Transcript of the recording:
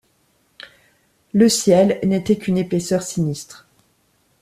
Le ciel n’était qu’une épaisseur sinistre.